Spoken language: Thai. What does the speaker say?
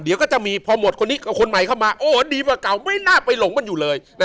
เดี๋ยวก็จะมีพอหมดคนนี้กับคนใหม่เข้ามาโอ้ดีกว่าเก่าไม่น่าไปหลงมันอยู่เลย